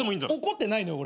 怒ってないのよ俺。